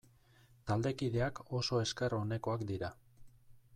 Taldekideak oso esker onekoak dira.